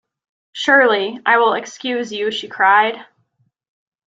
Surely I will excuse you, she cried.